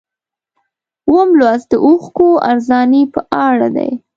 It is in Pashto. اووم لوست د اوښکو ارزاني په اړه دی.